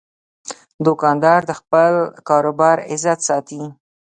دوکاندار د خپل کاروبار عزت ساتي.